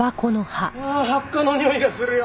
ああハッカのにおいがするよ。